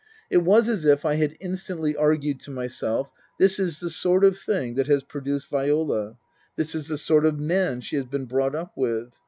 It was as if I had instantly argued to myself :" This is the sort of thing that has produced Viola. This is the sort of man she has been brought up with.